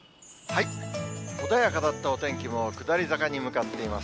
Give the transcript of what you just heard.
穏やかだったお天気も下り坂に向かっています。